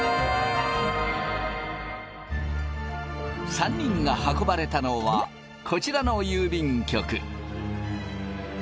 ３人が運ばれたのはこちらの郵便局。